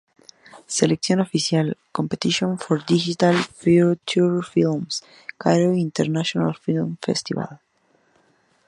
Selección oficial, Competition for Digital Feature Films, "Cairo International Film Festival".